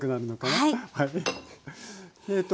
はい。